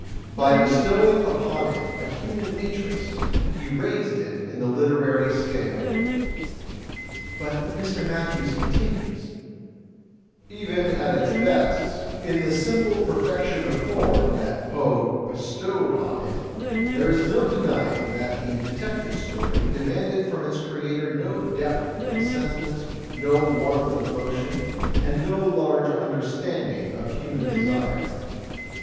By bestowing upon it a human interest, he raised it in the literary scale." But Mr. Matthews continues: "Even at its best, in the simple perfection of form that Poe bestowed on it, there is no denying that the Detective Story demanded from its creator no depth of sentiment, no warmth of emotion, and no large imderstanding of human desire.